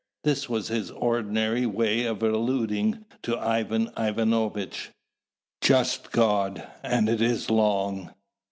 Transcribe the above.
This was his ordinary way of alluding to Ivan Ivanovitch. "Just God! and is it long?"